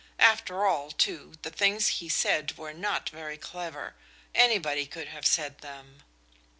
After all, too, the things he said were not very clever; anybody could have said them.